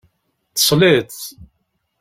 Tesliḍ.